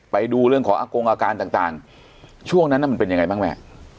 ไปดูเรื่องของอากงอาการต่างช่วงนั้นมันเป็นยังไงบ้างแม่